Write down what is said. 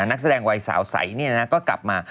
นักแสดงวัยสาวใสก็กลับมา